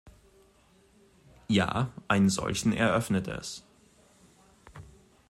Ja, einen solchen eröffnet es.